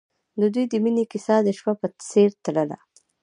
د دوی د مینې کیسه د شپه په څېر تلله.